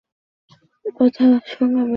তবে আমি দু জন বড় ডাক্তারের সঙ্গে কথা বলেছি।